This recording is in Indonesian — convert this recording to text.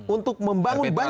untuk membangun taman